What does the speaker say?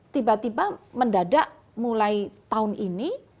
tiba tiba mendadak mulai tahun ini